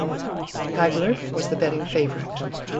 Hagler was the betting favorite.